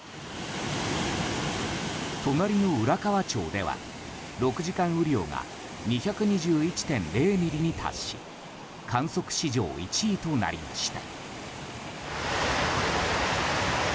隣の浦河町では６時間雨量が２２１．０ミリに達し観測史上１位となりました。